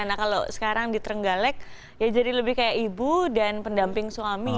nah kalau sekarang di trenggalek ya jadi lebih kayak ibu dan pendamping suami